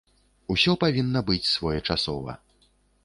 Усё павінна быць своечасова.